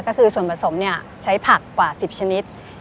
ก็คือส่วนผสมใช้ผักกว่า๑๐ชนิด